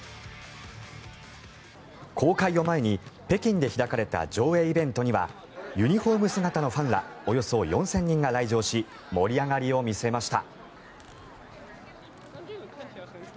公開を前に北京で開かれた上映イベントにはユニホーム姿のファンらおよそ４０００人が来場し盛り上がりを見せました。